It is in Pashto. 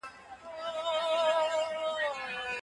که مشرتوب سوله یيز وي ټولنه پرمختګ کوي.